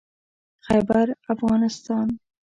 خيبرافغانستان